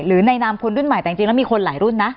ในนามคนรุ่นใหม่แต่จริงแล้วมีคนหลายรุ่นนะ